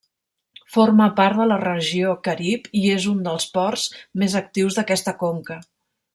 Forma part de la Regió Carib i és un dels ports més actius d'aquesta conca.